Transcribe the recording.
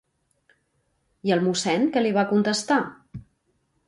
I el mossèn què li va contestar?